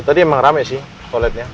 tadi emang rame sih toiletnya